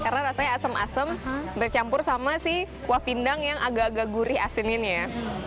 karena rasanya asem asem bercampur sama kuah pindang yang agak agak gurih asin ini ya